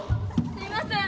すいません。